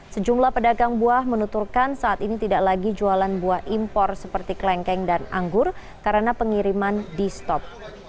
sejumlah pedagang buah menuturkan saat ini tidak lagi jualan buah impor seperti kelengkeng dan anggur karena pengiriman di stop